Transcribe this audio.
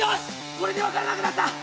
これで分からなくなった。